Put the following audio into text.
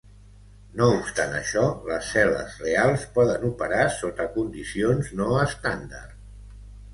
No obstant això, les cel·les reals poden operar sota condicions no estàndard.